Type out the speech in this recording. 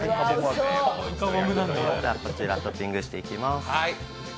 こちらトッピングしていきます。